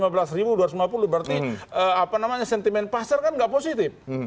berarti apa namanya sentimen pasar kan nggak positif